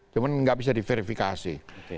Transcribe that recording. cuma gak bisa diverifikasi